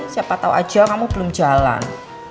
siapa tau aja kamu belum jalan